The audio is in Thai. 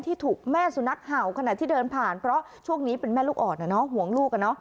ที่ถูกแม่สุนัขเห่าขณะที่เดินผ่านเพราะช่วงนี้เป็นแม่ลูกอ่อนห่วงลูก